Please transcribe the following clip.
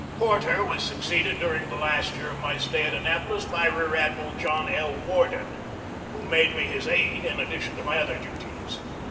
Porter was succeeded during the last year of my stay at Annapolis by Rear Admiral John L. Worden, who made me his aide in addition to my other duties.